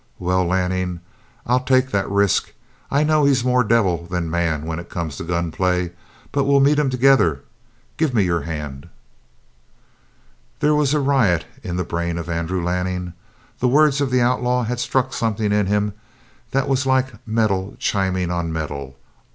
Well, Lanning, I'll take that risk. I know he's more devil than man when it comes to gun play, but we'll meet him together. Give me your hand!" There was a riot in the brain of Andrew Lanning. The words of the outlaw had struck something in him that was like metal chiming on metal.